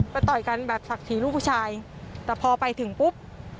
ต่อยกันแบบศักดิ์ศรีลูกผู้ชายแต่พอไปถึงปุ๊บ